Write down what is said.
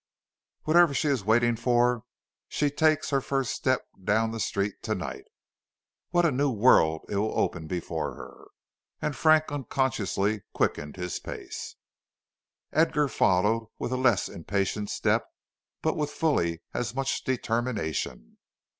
"Whatever she is waiting for, she takes her first step down the street to night. What a new world it will open before her!" And Frank unconsciously quickened his pace. Edgar followed with a less impatient step but with fully as much determination.